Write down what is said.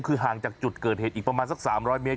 คือห่างจากจุดเกิดเหตุอีกประมาณสัก๓๐๐เมตร